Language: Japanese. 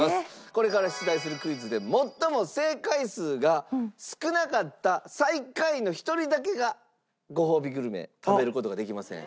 これから出題するクイズで最も正解数が少なかった最下位の１人だけがごほうびグルメ食べる事ができません。